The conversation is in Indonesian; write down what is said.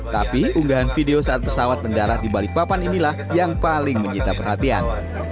tapi unggahan video saat pesawat mendarat di balikpapan inilah yang paling menyita perhatian